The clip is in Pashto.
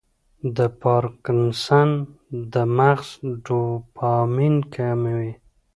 د پارکنسن د مغز ډوپامین کموي.